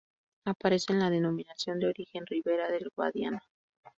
Aparece en la Denominación de Origen Ribera del Guadiana.